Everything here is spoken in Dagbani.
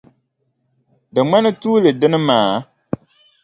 Di ŋmani tuuli dini maa?